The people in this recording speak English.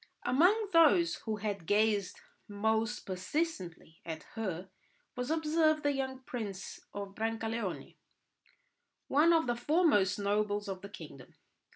Among those who had gazed most persistently at her was observed the young Prince of Brancaleone, one of the foremost nobles of the kingdom.